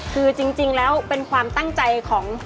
คือจริงแล้วเป็นความตั้งใจของ